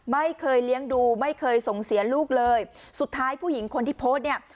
ไม่เคยเลี้ยงดูไม่เคยส่งเสียลูกเลยสุดท้ายผู้หญิงคนที่โพสต์เนี่ย